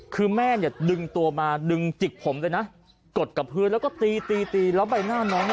คือแม่ถูกมาดึงตัวมากดกับที่พื้นแล้วก็ตีและไปหน้าน้อง